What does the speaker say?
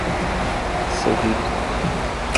Cerrito